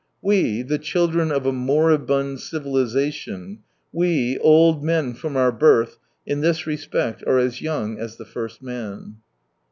We, the children of a moribund civilisation, we, old men from our birth, in this respect are as young as the first man.